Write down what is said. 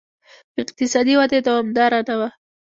اقتصادي وده یې دوامداره نه وه.